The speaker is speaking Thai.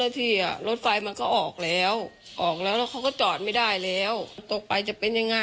ตกลงไปจากรถไฟได้ยังไงสอบถามแล้วแต่ลูกชายก็ยังไงสอบถามแล้วแต่ลูกชายก็ยังไง